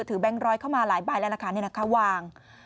ถือแบงค์ร้อยเข้ามาหลายใบแล้วนะคะเนี่ยนะคะวาง